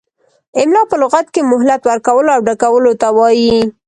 املاء په لغت کې مهلت ورکولو او ډکولو ته وايي.